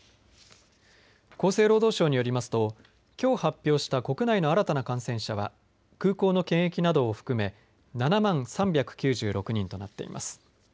厚生労働省によりますときょう発表した国内の新たな感染者は空港の検疫などを含め７万３９６人となっています。